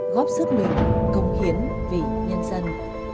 góp sức lượng công hiến vì nhân dân